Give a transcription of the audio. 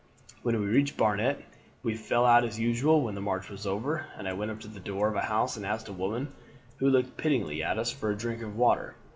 When we reached Barnet we fell out as usual when the march was over, and I went up to the door of a house and asked a woman, who looked pityingly at us, for a drink of water.